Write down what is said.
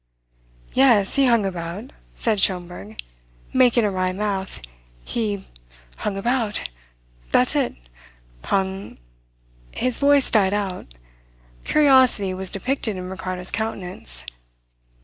"Yes, he hung about," said Schomberg, making a wry mouth. "He hung about. That's it. Hung " His voice died out. Curiosity was depicted in Ricardo's countenance.